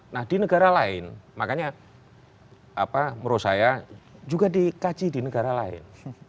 nah di negara lain makanya menurut saya juga dikaji di negara lain